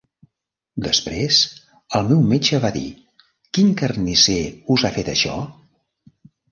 Després, el meu metge va dir: "Quin carnisser us ha fet això?".